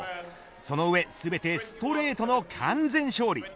その上全てストレートの完全勝利。